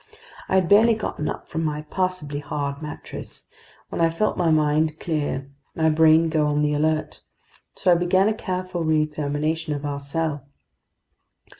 I had barely gotten up from my passably hard mattress when I felt my mind clear, my brain go on the alert. So I began a careful reexamination of our cell.